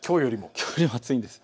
きょうよりも暑いんです。